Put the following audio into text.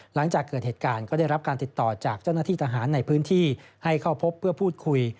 หลังจากเกิดเหตุการณ์ก็ได้รับการติดต่อจากเจ้าหน้าที่ทหารในพื้นที่ให้เข้าพบเพื่อพูดคุย